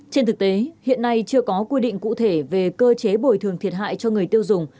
trên thực tế hiện nay chưa có quy định cụ thể về cơ chế bồi thường thiệt hại cho người tiêu dùng